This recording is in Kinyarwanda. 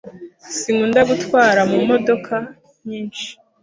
Sinkunda gutwara mumodoka nyinshi